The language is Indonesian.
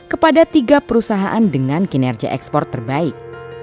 kepada tiga perusahaan dengan kinerja ekspor terbaik